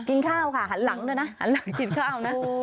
กินข้าวค่ะหันหลังด้วยนะหันหลังกินข้าวนะ